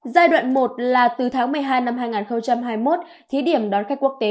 giai đoạn một là từ tháng một mươi hai năm hai nghìn hai mươi một thí điểm đón khách quốc tế